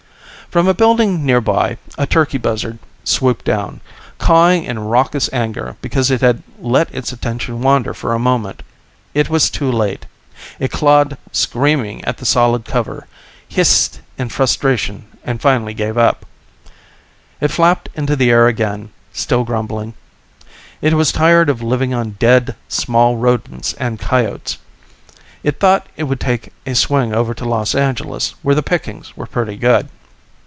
From a building nearby a turkey buzzard swooped down, cawing in raucous anger because it had let its attention wander for a moment. It was too late. It clawed screaming at the solid cover, hissed in frustration and finally gave up. It flapped into the air again, still grumbling. It was tired of living on dead small rodents and coyotes. It thought it would take a swing over to Los Angeles, where the pickings were pretty good.